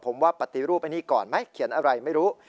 ผมว่าปฏิรูปอันนี้ก่อนไหมเขียนอะไรไม่รู้